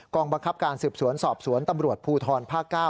บังคับการสืบสวนสอบสวนตำรวจภูทรภาค๙